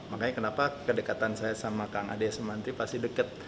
makanya kenapa kedekatan saya sama kang ade sumanti pasti dekat